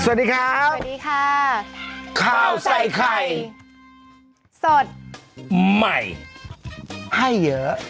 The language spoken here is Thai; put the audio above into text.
สวัสดีครับสวัสดีค่ะข้าวใส่ไข่สดใหม่ให้เยอะ